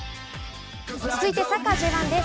続いて、サッカーＪ１です。